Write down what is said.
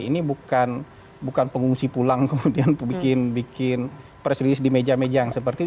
ini bukan pengungsi pulang kemudian bikin press release di meja meja yang seperti itu